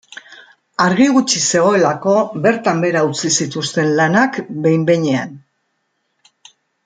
Argi gutxi zegoelako bertan behera utzi zituzten lanak behin-behinean.